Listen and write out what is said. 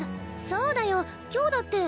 そうだよ今日だって。